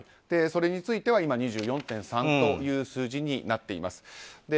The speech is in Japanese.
それについては今２４．３という数字になっています。